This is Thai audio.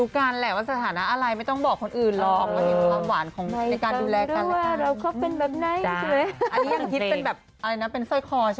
ก็เอาเป็นว่าก็รู้กันตามนั้นแหละฮะ